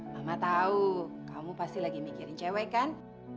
mama tahu kamu pasti lagi mikirin cewek kan